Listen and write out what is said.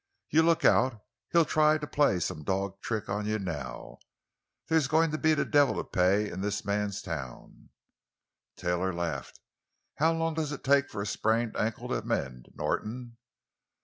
You look out; he'll try to play some dog's trick on you now! There's going to be the devil to pay in this man's town!" Taylor laughed. "How long does it take for a sprained ankle to mend, Norton?"